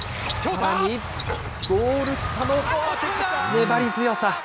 さらにゴール下の粘り強さ。